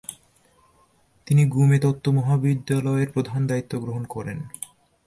তিনি গ্যুমে তন্ত্র মহাবিদ্যালয়ের প্রধানের দায়িত্ব গ্রহণ করেন।